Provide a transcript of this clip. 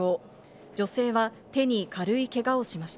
女性は手に軽いけがをしました。